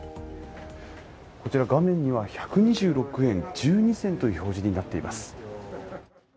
画面には１２６円１２銭という表示になっています。